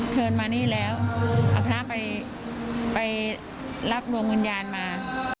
เชิญมานี่แล้วเอาพระไปรับดวงวิญญาณมา